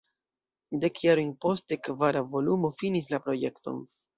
Dek jarojn poste kvara volumo finis la projekton.